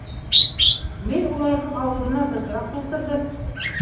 Мин уларҙың ауыҙына бысраҡ тултырҙым.